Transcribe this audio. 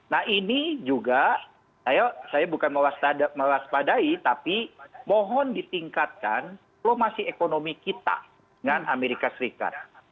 nah ini juga saya bukan mewaspadai tapi mohon ditingkatkan lomasi ekonomi kita dengan amerika serikat